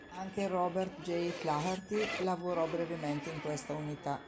Anche Robert J. Flaherty lavorò brevemente in questa unità.